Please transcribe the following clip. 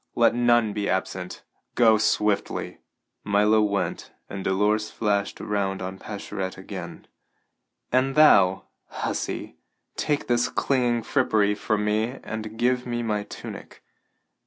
Let none be absent. Go swiftly!" Milo went, and Dolores flashed around on Pascherette again: "And thou, hussy, take this clinging frippery from me and give me my tunic.